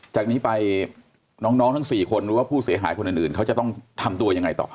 จากนี้ไปน้องทั้ง๔คนหรือว่าผู้เสียหายคนอื่นเขาจะต้องทำตัวยังไงต่อ